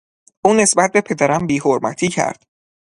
او نسبت به پدرم بیحرمتی کرد.